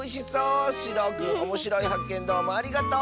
しろうくんおもしろいはっけんどうもありがとう！